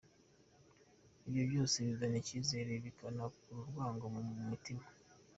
Ibyo byose bizana icyizere bikanakura urwango mu mitima.